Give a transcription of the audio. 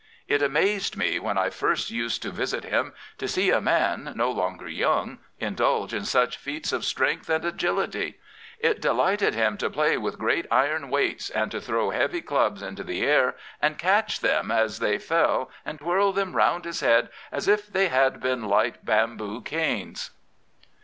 ... It amazed me, when I first used to visit him, to see a man, no longer young, indulge in such feats of strength and agility. It delighted him to play with great iron weights, and to throw heavy clubs into the air and catch them as they fell and twirl them round his head as if they had been light bamboo canes.